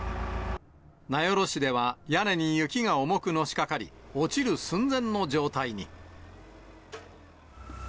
名寄市では、屋根に雪が重くのしかかり、落ちる寸前の状態に。